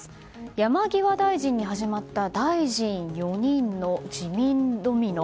山際大臣に始まった大臣４人の辞任ドミノ。